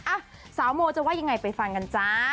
อ่ะสาวโมจะว่ายังไงไปฟังกันจ้า